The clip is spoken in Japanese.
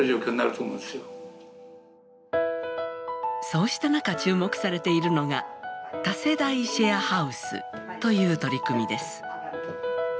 そうした中注目されているのが多世代シェアハウスという取り組みです。